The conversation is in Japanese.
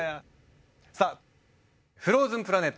さあ「フローズンプラネット」。